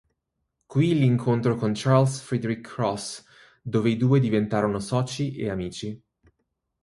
Qui l'incontro con Charles Frederick Cross dove i due diventarono soci e amici.